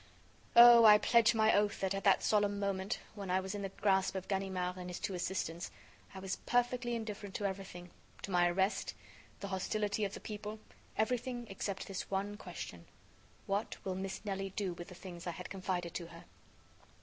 Oh! I pledge my oath that, at that solemn moment, when I was in the grasp of Ganimard and his two assistants, I was perfectly indifferent to everything, to my arrest, the hostility of the people, everything except this one question: what will Miss Nelly do with the things I had confided to her?